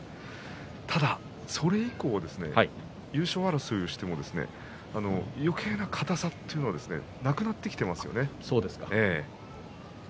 ただそれ以降、優勝争いをしてもよけいな硬さというのはなくなってきていますよね。